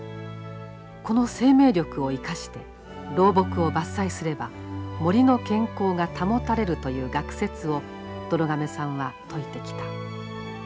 この生命力を生かして老木を伐採すれば森の健康が保たれるという学説をどろ亀さんは説いてきた。